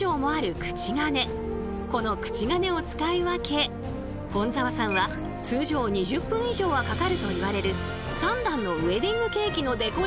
この口金を使い分け本澤さんは通常２０分以上はかかるといわれる３段のウエディングケーキのデコレーションを。